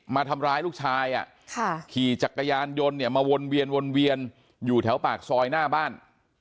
มาทำร้ายลูกชายขี่จักรยานยนต์เนี่ยมาวนเวียนวนเวียนอยู่แถวปากซอยหน้าบ้าน